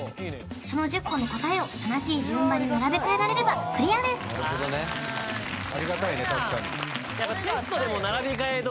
その１０個の答えを正しい順番に並べ替えられればクリアですなるほどねありがたいね